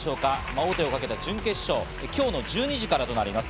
王手をかけた準決勝、今日の１２時からとなります。